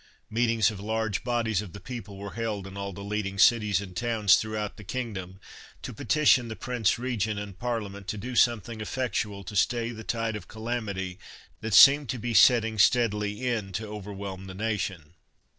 Meetings of large bodies of the people were held in all the leading cities and towns throughout the kingdom to petition the Prince Regent and parliament to do something effectual to stay the tide of calamity that seemed to be setting steadily in to overwhelm the nation.